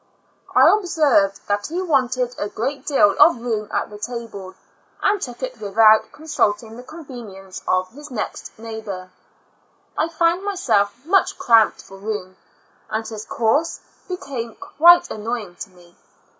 I observed that he wanted a great deal of room at the table, and took it without consulting the convenience of his next neighbor. I found myself much cramped for room, and his course became quite an noying to me.